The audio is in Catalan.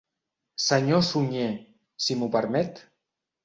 Senyor Sunyer, si m'ho permet.